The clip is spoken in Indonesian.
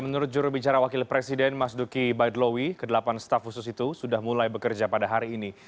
menurut jurubicara wakil presiden mas duki baidlowi ke delapan staff khusus itu sudah mulai bekerja pada hari ini